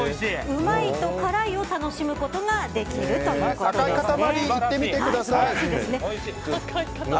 うまいと辛いを楽しむことができるということです。